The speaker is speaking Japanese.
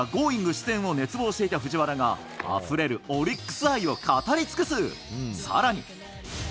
出演を熱望していた藤原が、あふれるオリックス愛を語り尽くす。